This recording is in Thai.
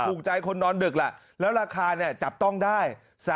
ถูกใจคนนอนดึกล่ะแล้วราคาจับต้องได้